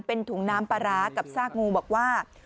เป็นถุงน้ำปลาร้ากับซากงูบอกว่า